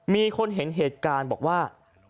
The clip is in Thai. มีคนเห็นเหตุการณ์บอกว่า